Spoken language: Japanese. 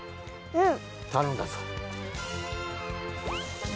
うん。